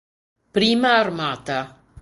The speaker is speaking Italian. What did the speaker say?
Prima armata